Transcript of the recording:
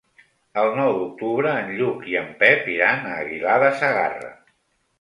El nou d'octubre en Lluc i en Pep iran a Aguilar de Segarra.